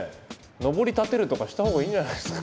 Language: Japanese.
のぼり立てるとかしたほうがいいんじゃないですか。